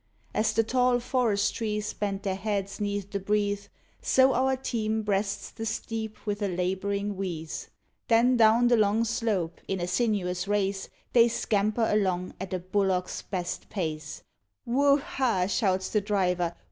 As the tall forest trees bend their heads 'neath the breeze, So our team breasts the steep with a labouring wheeze; Then down the long slope in a sinuous race, They scamper along at a bullock's best pace; Wo haa! shouts the driver.